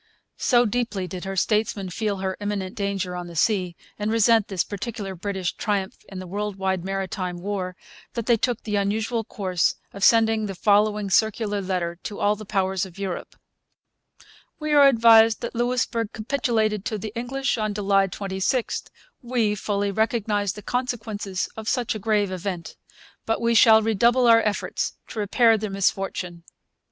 So deeply did her statesmen feel her imminent danger on the sea, and resent this particular British triumph in the world wide 'Maritime War,' that they took the unusual course of sending the following circular letter to all the Powers of Europe: We are advised that Louisbourg capitulated to the English on July 26, We fully realize the consequences of such a grave event. But we shall redouble our efforts to repair the misfortune.